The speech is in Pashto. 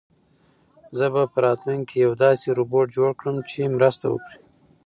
زه به په راتلونکي کې یو داسې روبوټ جوړ کړم چې مرسته وکړي.